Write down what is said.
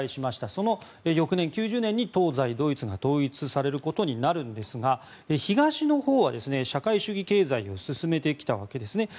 その翌年、９０年に東西ドイツが統一されることになるんですが東のほうは社会主義経済を進めてきたわけですね。